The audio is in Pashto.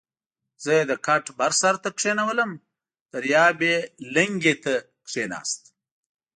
زه یې د کټ بر سر ته کېنولم، دریاب یې لنګې ته کېناست.